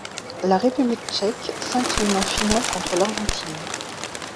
La République tchèque s'incline en finale contre l'Argentine.